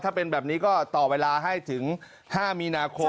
ถ้าเป็นแบบนี้ก็ต่อเวลาให้ถึง๕มีนาคม